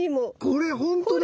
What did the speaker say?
これほんとだ。